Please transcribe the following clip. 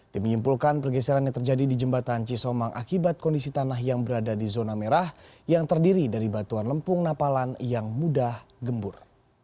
tim menyimpulkan pergeseran yang terjadi di jembatan cisomang akibat kondisi tanah yang berada di zona merah yang terdiri dari batuan lempung napalan yang mudah gembur